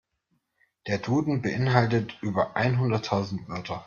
Der Duden beeinhaltet über einhunderttausend Wörter.